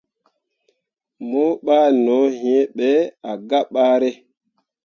Mo ɓah no hĩĩ ɓe ah gah bare.